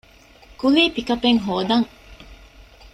ކުލީ ޕިކަޕެއް ހޯދަން